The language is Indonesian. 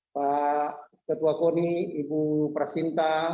pak ketua koni ibu prasinta